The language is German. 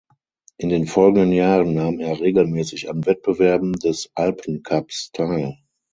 In den folgenden Jahren nahm er regelmäßig an Wettbewerben des Alpencups teil.